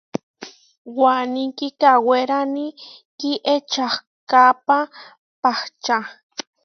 Waní kikawérani kiečahkápa pahča.